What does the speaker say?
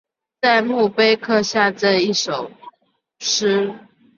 在墓碑刻下这一首诗